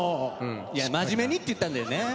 いや真面目にって言ったよね。